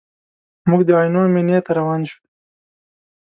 موږ د عینو مینې ته روان شوو.